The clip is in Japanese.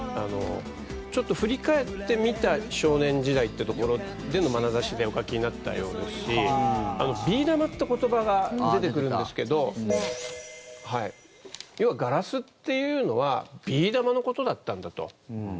ちょっと振り返ってみた少年時代ってところでのまなざしでお書きになったようですしビー玉という言葉が出てくるんですけど要はガラスというのはビー玉のことだったんだと。